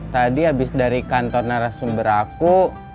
tadi habis dari kantor narasumber aku